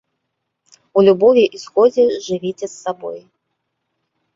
У любові і згодзе жывіце з сабой!